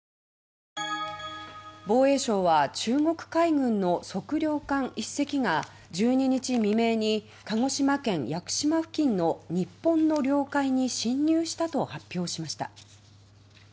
防衛省は中国海軍の測量艦１隻が１２日未明に鹿児島県・屋久島付近の日本の領海に侵入したと発表しました。